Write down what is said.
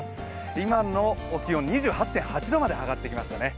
今の気温、２８．８度まで上がってきています。